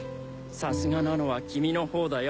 さすがなのは君のほうだよ。